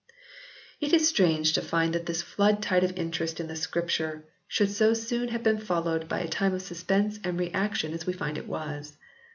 It is strange to find that this flood tide of interest in the Scripture should so soon have been followed by a time of suspense and reaction as we find it was.